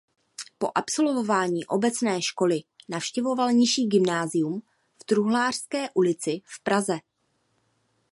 Po absolvování obecné školy navštěvoval nižší gymnázium v Truhlářské ulici v Praze.